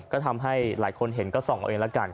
ก็ทำให้หลายคนเห็นก็ส่องเอาเองแล้วกัน